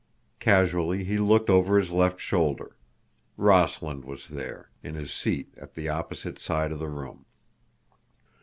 Casually he looked over his left shoulder. Rossland was there, in his seat at the opposite side of the room.